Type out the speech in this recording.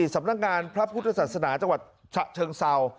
สำนักงานพระพุทธศาสนาจังหวัดฉะเชิงเศร้า